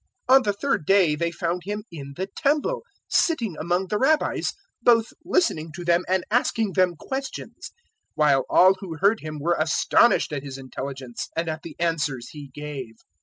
002:046 On the third day they found Him in the Temple sitting among the Rabbis, both listening to them and asking them questions, 002:047 while all who heard Him were astonished at His intelligence and at the answers He gave.